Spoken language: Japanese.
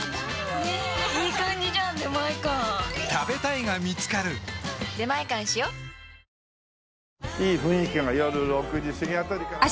いい雰囲気が夜６時すぎ辺りから。